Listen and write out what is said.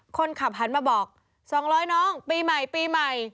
คนขับหันมาบอก๒๐๐น้องปีใหม่ปีใหม่